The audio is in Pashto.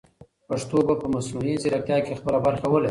پښتو به په مصنوعي ځیرکتیا کې خپله برخه ولري.